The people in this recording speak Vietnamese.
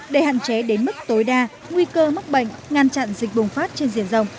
để hạn chế đến mức tối đa nguy cơ mắc bệnh ngăn chặn dịch bùng phát trên diện rộng